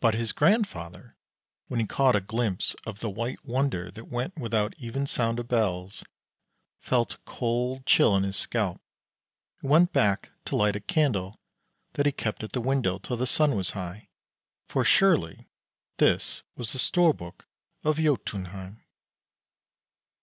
But his grandfather, when he caught a glimpse of the white wonder that went without even sound of bells, felt a cold chill in his scalp, and went back to light a candle that he kept at the window till the sun was high, for surely this was the Storbuk of Jotunheim.